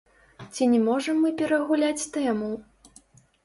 Ці не можам мы перагуляць тэму?